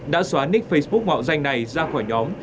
đã xóa nét facebook ngọt danh này ra khỏi nhóm